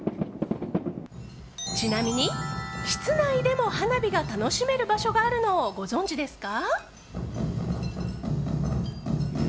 ちなみに、室内でも花火が楽しめる場所があるのをご存じですか？